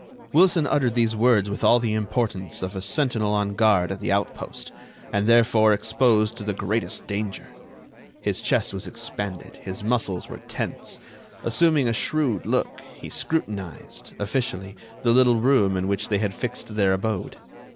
Wilson uttered these words with all the importance of a sentinel on guard at the outpost, and therefore exposed to the greatest danger. His chest was expanded; his muscles were tense. Assuming a shrewd look, he scrutinized, officially, the little room in which they had fixed their abode.